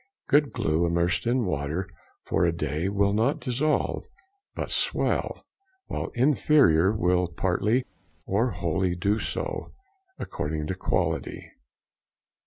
Good glue immersed in water for a day will not dissolve, but swell, while inferior will partly or wholly do so, according to quality.